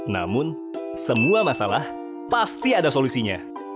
namun semua masalah pasti ada solusinya